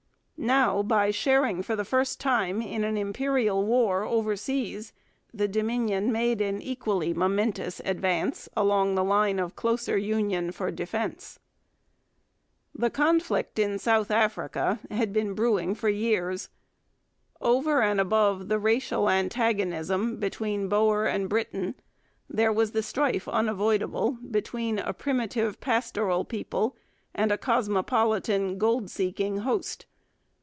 Now, by sharing for the first time in an imperial war overseas, the Dominion made an equally momentous advance along the line of closer union for defence. The conflict in South Africa had been brewing for years. Over and above the racial antagonism between Boer and Briton there was the strife unavoidable between a primitive, pastoral people and a cosmopolitan, gold seeking host.